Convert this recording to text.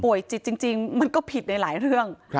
จิตจริงมันก็ผิดในหลายเรื่อง